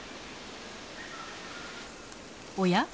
おや？